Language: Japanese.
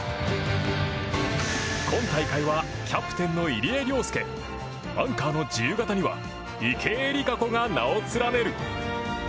今大会は、キャプテンの入江陵介アンカーの自由形には池江璃花子が名を連ねる。